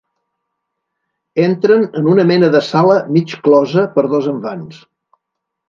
Entren en una mena de sala mig closa per dos envans.